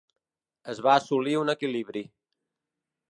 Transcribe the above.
Es va assolir un equilibri.